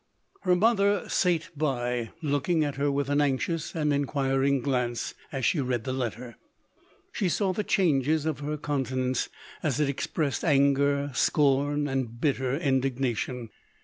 Her mother sate by, looking at her with an anxious and inquiring glance, as she read the letter. She saw the changes of her countenance, as it expressed anger, scorn, and bitter indignation.